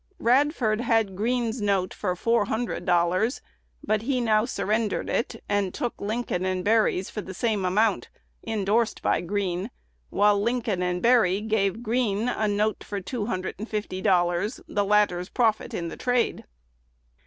Radford had Green's note for four hundred dollars; but he now surrendered, it and took Lincoln & Berry's for the same amount, indorsed by Green; while Lincoln & Berry gave Green a note for two hundred and fifty dollars, the latter's profit in the trade.